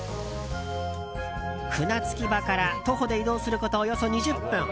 舟着き場から徒歩で移動することおよそ２０分。